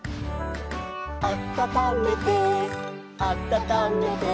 「あたためてあたためて」